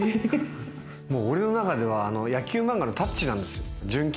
俺の中では野球漫画の『タッチ』なんですよ。